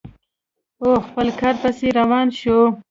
او خپل کار پسې روان شو.